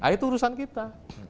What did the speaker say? itu urusan kita